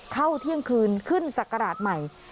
เข้าเที่ยงคืนขึ้นสักกระดาษใหม่